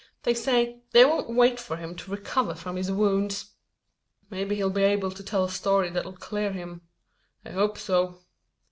They say, they won't wait for him to recover from his wounds!" "Maybe he'll be able to tell a story that'll clear him. I hope so."